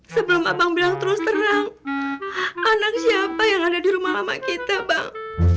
sebelum abang bilang terus terang anak siapa yang ada di rumah lama kita bang